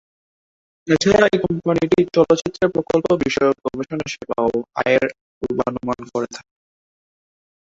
এছাড়া এই কোম্পানিটি চলচ্চিত্রের প্রকল্প বিষয়ক গবেষণা সেবা ও আয়ের পূর্বানুমান করে থাকে।